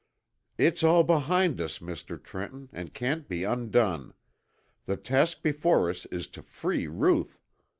"It's all behind us, Mr. Trenton, and can't be undone. The task before us is to free Ruth.